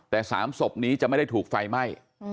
แต่๓ศพนี้จะไม่ได้ถูกไฟไหม้